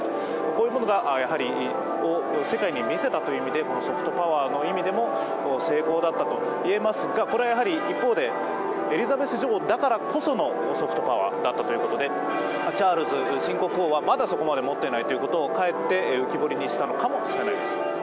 こういうものが世界に見せたという意味でソフトパワーの意味でも成功だったと言えますが、これは一方で、エリザベス女王だからこそのソフトパワーだったということでチャールズ新国王はまだそこまでもっていないということをかえって浮き彫りにしたのかもしれないです。